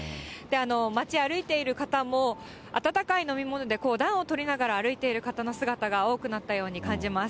街歩いている方も、温かい飲み物で暖をとりながら歩いている方の姿が多くなったように感じます。